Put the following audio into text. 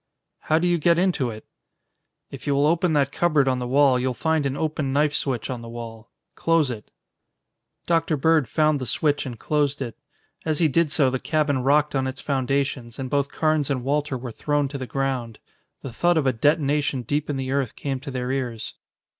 "How do you get into it?" "If you will open that cupboard on the wall, you'll find an open knife switch on the wall. Close it." Dr. Bird found the switch and closed it. As he did so the cabin rocked on its foundations and both Carnes and Walter were thrown to the ground. The thud of a detonation deep in the earth came to their ears.